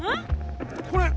これ！